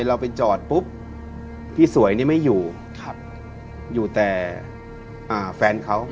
เราไปจอดปุ๊บพี่สวยนี่ไม่อยู่อยู่แต่แฟนเขา